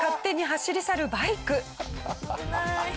危ない。